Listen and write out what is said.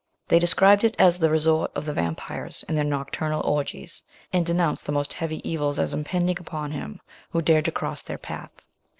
They described it as the resort of the vampyres in their nocturnal orgies, and denounced the most heavy evils as impending upon him who dared to cross their path.